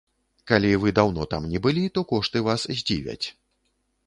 Калі вы даўно там не былі, то кошты вас здзівяць.